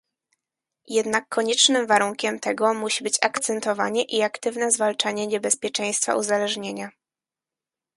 Jednak koniecznym warunkiem tego musi być akcentowanie i aktywne zwalczanie niebezpieczeństwa uzależnienia